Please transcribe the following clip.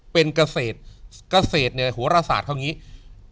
เป็นเกษตรเกษตรเนี่ยโหรศาสตร์เขาอย่างนี้